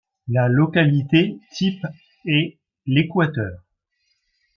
La localité type est l'Équateur.